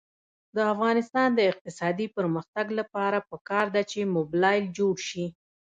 د افغانستان د اقتصادي پرمختګ لپاره پکار ده چې موبلایل جوړ شي.